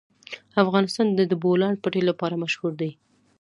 افغانستان د د بولان پټي لپاره مشهور دی.